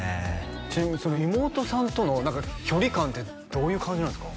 ちなみに妹さんとの距離感ってどういう感じなんですか？